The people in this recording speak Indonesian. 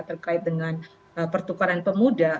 terkait dengan pertukaran pemuda